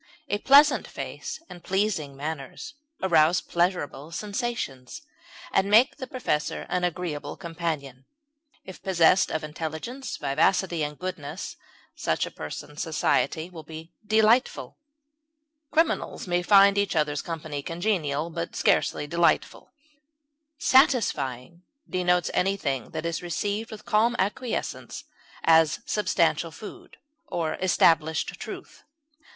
A pleasant face and pleasing manners arouse pleasurable sensations, and make the possessor an agreeable companion; if possessed of intelligence, vivacity, and goodness, such a person's society will be delightful. Criminals may find each other's company congenial, but scarcely delightful. Satisfying denotes anything that is received with calm acquiescence, as substantial food, or established truth.